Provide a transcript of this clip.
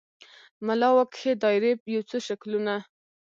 ملا وکښې دایرې یو څو شکلونه